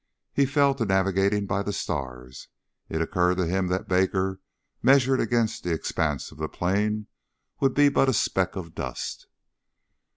He fell to navigating by the stars. It occurred to him that Baker, measured against the expanse of the plain, would be but a speck of dust.